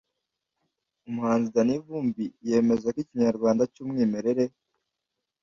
umuhanzi danny vumbi yemeza ko ikinyarwanda cy’umwimerere